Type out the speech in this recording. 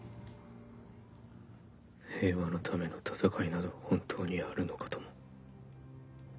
「平和のための戦いなど本当にあるのか」とも。